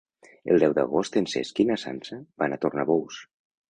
El deu d'agost en Cesc i na Sança van a Tornabous.